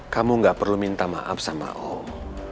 kamu gak perlu minta maaf sama om